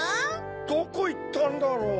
どこいったんだろう？